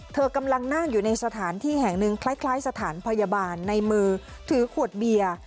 กำลังนั่งอยู่ในสถานที่แห่งหนึ่งคล้ายสถานพยาบาลในมือถือขวดเบียร์